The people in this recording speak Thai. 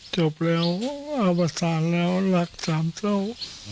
จบแล้วอาวุธศาลแล้วหรักสามเศร้า